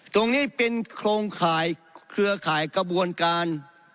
ตรงนี้เป็นโครงข่ายเครือข่ายกระบวนการ